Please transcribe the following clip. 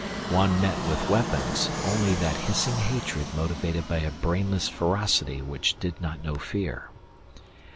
One met with weapons only that hissing hatred motivated by a brainless ferocity which did not know fear.